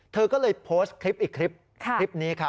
เธอก็เลยโพสต์คลิปอีกคลิปคลิปนี้ครับ